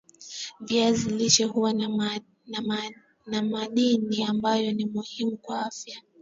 viazi lishe huwa na madini ambayo ni muhimu kwa afya